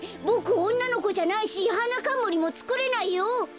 ボクおんなのこじゃないしはなかんむりもつくれないよ！